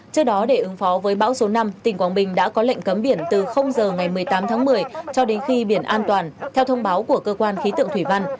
trước đó để ứng phó với bão số năm tỉnh quảng bình đã có lệnh cấm biển từ giờ ngày một mươi tám tháng một mươi cho đến khi biển an toàn theo thông báo của cơ quan khí tượng thủy văn